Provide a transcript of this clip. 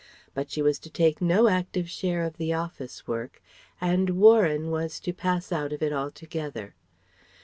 But she was to take no active share of the office work and "Warren" was to pass out of it altogether.